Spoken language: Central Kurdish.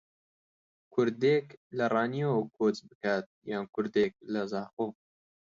کوردێک لە ڕانیەوە کۆچ بکات یان کوردێک لە زاخۆ